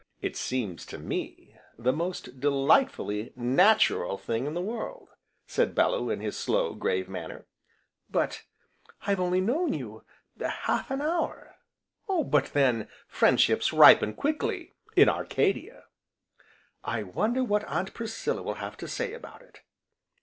"It seems to me the most delightfully natural thing in the world," said Bellew, in his slow, grave manner. "But I've only known you half an hour !" "But then, friendships ripen quickly in Arcadia." "I wonder what Aunt Priscilla will have to say about it!"